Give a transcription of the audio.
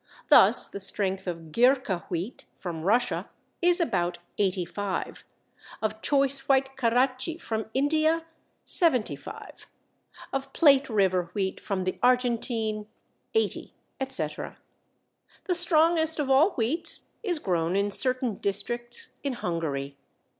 Thus the strength of Ghirka wheat from Russia is about 85, of Choice White Karachi from India 75, of Plate River wheat from the Argentine 80, etc. The strongest of all wheats is grown in certain districts in Hungary.